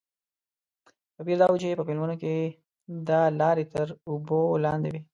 توپیر دا و چې په فلمونو کې دا لارې تر اوبو لاندې وې.